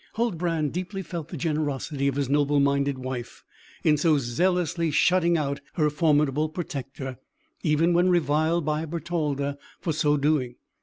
Huldbrand deeply felt the generosity of his noble minded wife, in so zealously shutting out her formidable protector, even when reviled by Bertalda for so doing.